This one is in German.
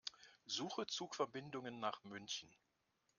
Suche Zugverbindungen nach München.